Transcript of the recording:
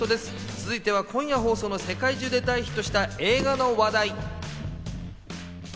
続いては今夜放送の世界中で大ヒットした映画の話題。